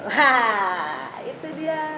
hah itu dia